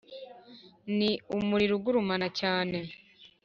(ni) umuriro ugurumana cyane